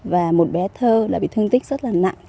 và một bé thơ là bị thương tích rất là nặng chín mươi bốn